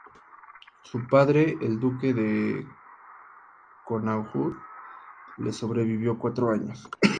Su padre, el duque de Connaught, le sobrevivió cuatro años.